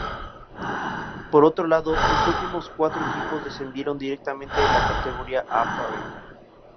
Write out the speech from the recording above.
Por otro lado, los últimos cuatro equipos descendieron directamente a la Kategoria e Parë.